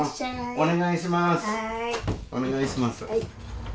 お願いします。